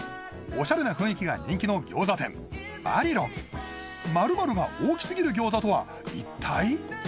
オシャレな雰囲気が人気の餃子店芭莉龍○○が大きすぎる餃子とは一体？